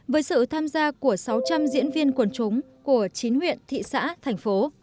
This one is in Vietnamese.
với sự tham gia của sáu trăm linh diễn viên quần chúng của chín huyện thị xã thành phố